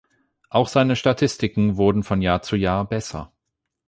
Auch seine Statistiken wurden von Jahr zu Jahr besser.